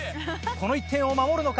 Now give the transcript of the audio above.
この１点を守るのか？